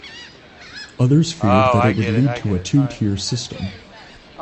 Others feared that it would lead to a two-tier system.